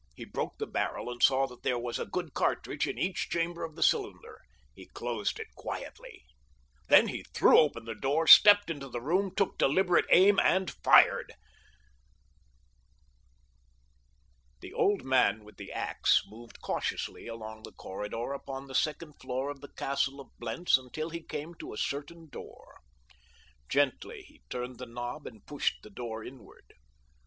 He broke the barrel, and saw that there was a good cartridge in each chamber of the cylinder. He closed it quietly. Then he threw open the door, stepped into the room, took deliberate aim, and fired. The old man with the ax moved cautiously along the corridor upon the second floor of the Castle of Blentz until he came to a certain door. Gently he turned the knob and pushed the door inward.